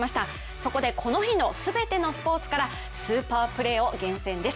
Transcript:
そこでこの日の全てのプレーからスーパープレーを厳選です。